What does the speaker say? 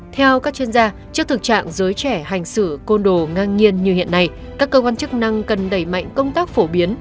theo các chuyên gia trước thực trạng giới trẻ hành xử côn đồ ngang nhiên như hiện nay các cơ quan chức năng cần đẩy mạnh công tác phổ biến